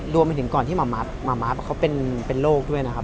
รวมไปถึงก่อนที่หมาม้าเขาเป็นโรคด้วยนะครับ